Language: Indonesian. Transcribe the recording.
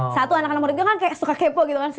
satu anak anak murid itu kan suka kepo gitu kan